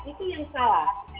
itu yang salah